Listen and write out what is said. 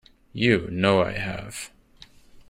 You know I have.